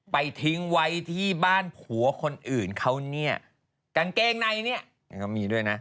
ไปทิ้งไว้ที่บ้านผัวคนอื่นเขาเนี่ยกางเกงในเนี่ยก็มีด้วยนะ